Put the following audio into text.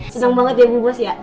senang banget ya bu bos ya